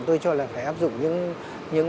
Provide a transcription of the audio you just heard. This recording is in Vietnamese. tôi cho là phải áp dụng những